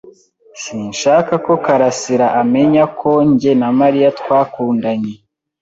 Sinshaka ko Karasiraamenya ko njye na Mariya twakundanye.